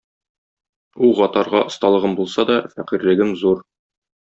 Ук атарга осталыгым булса да, фәкыйрьлегем зур.